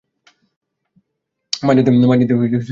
মা যেতে না করেছে ইলিয়াস!